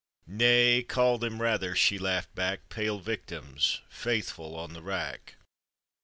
"Nay, call them rather," she laughed back, "Pale victims, faithful on the rack."